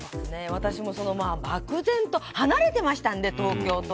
私も、漠然と離れてましたので、東京都。